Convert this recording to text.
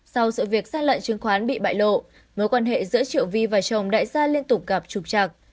sau sự việc xa lận chứng khoán bị bại lộ mối quan hệ giữa triệu vi và chồng đại gia liên tục gặp trục trặc